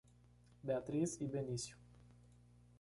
Beatriz e Benício